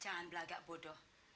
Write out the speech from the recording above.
jangan berlagak bodoh